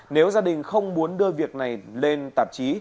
nếu gia đình không muốn đưa việc này lên tạp chí